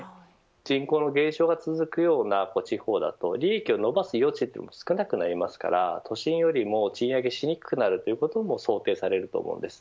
人口の減少が続くような地方だと利益を伸ばす余地が少なくなりますから都心より賃上げしにくくなることも想定されます。